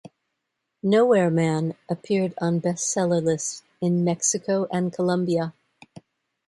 "Nowhere Man" appeared on bestseller lists in Mexico and Colombia.